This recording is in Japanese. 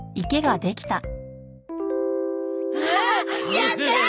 やった！